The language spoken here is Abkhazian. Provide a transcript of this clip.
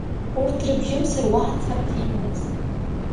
Урҭ дрыбжьымсыр уаҳа царҭа имамызт.